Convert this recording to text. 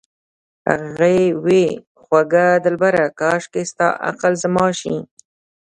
هغې وې خوږه دلبره کاشکې ستا عقل زما شي